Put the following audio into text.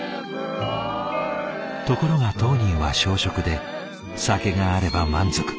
ところが当人は小食で酒があれば満足。